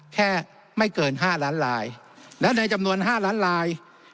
แค่ไม่เกิน๕ล้านลายและในจำนวน๕ล้านลาย